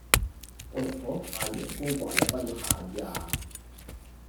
我寧可太陽高掛也不要下雨呀！